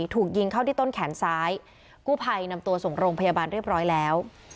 ถูกยิงเข้าที่ต้นแขนซ้ายกู้ภัยนำตัวส่งโรงพยาบาลเรียบร้อยแล้ว